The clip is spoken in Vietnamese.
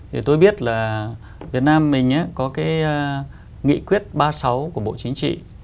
thì tôi biết là việt nam mình có cái nghị quyết ba mươi sáu của bộ chính trị